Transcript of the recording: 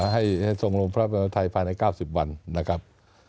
ให้ทรงลงพระประไทยภายใน๙๐วันนะครับ